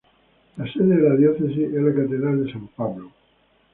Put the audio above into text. La sede de la Diócesis es la Catedral de San Pablo.